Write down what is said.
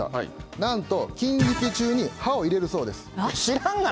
なんと、近日中に歯を入れるそうです。